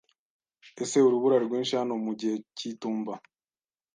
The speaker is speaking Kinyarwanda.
Ese urubura rwinshi hano mu gihe cy'itumba?